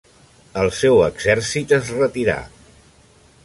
El seu exèrcit es retirà.